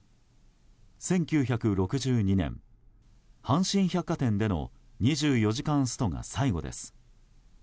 １９６２年、阪神百貨店での２４時間ストが最後です。